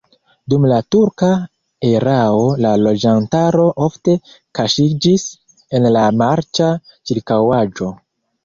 Dum la turka erao la loĝantaro ofte kaŝiĝis en la marĉa ĉirkaŭaĵo.